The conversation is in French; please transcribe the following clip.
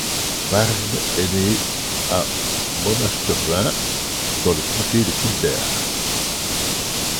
Byrne est né à Monasterevin, dans le comté de Kildare.